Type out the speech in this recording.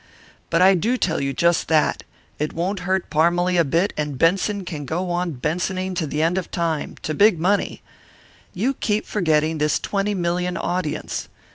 "But I do tell you just that. It won't hurt Parmalee a bit; and Benson can go on Bensoning to the end of time to big money. You keep forgetting this twenty million audience.